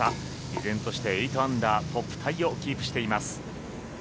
依然として８アンダートップタイをキープしています。